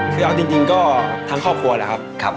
คือเอาจริงก็ทั้งครอบครัวนะครับ